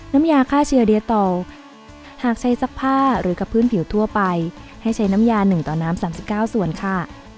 น้ำยาฆ่าเชื้อเดียต่อหากใช้ซักผ้าหรือกับพื้นผิวทั่วไปให้ใช้น้ำยา๑ต่อน้ำ๓๙ส่วนค่ะ